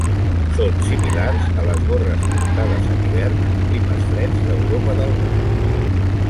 Són similars a les gorres portades en hivern en climes freds d'Europa del Nord.